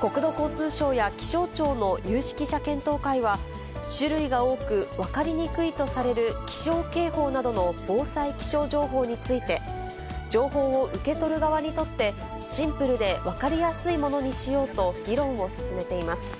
国土交通省や気象庁の有識者検討会は、種類が多く、分かりにくいとされる気象警報などの防災気象情報について、情報を受け取る側にとって、シンプルで分かりやすいものにしようと議論を進めています。